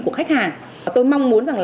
của khách hàng tôi mong muốn